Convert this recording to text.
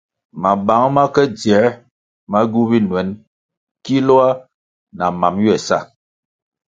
Mabang ma ke dzier ma gywu binuen kiloah na mam ywe sa.